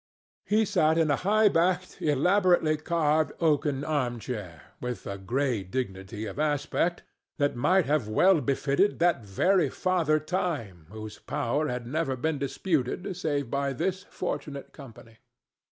He sat in a high backed, elaborately carved oaken arm chair with a gray dignity of aspect that might have well befitted that very Father Time whose power had never been disputed save by this fortunate company.